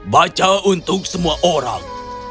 baca untuk semua orang